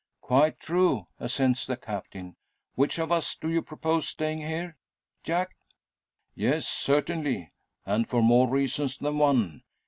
"Quite true," assents the Captain. "Which of us do you propose staying here? Jack?" "Yes, certainly. And for more reasons than one.